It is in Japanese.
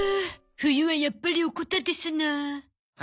冬はやっぱりおこたですなあ。